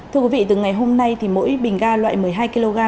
thưa quý vị từ ngày hôm nay thì mỗi bình ga loại một mươi hai kg